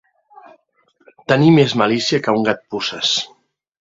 Tenir més malícia que un gat puces.